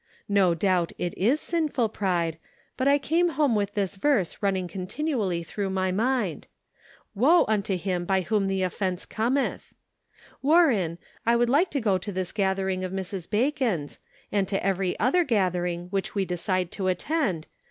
No doubt it is sinful pride, but I came home with this verse running continually through my mind :' Woe unto him by whom the offence cometh.' Warren, I would like to go to this gathering of Mrs. Bacon's, and to every other gathering which we decide to attend, The /Social Problem.